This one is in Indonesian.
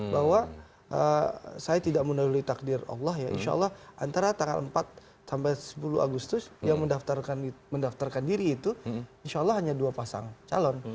bahwa saya tidak menaruhi takdir allah ya insya allah antara tanggal empat sampai sepuluh agustus yang mendaftarkan diri itu insya allah hanya dua pasang calon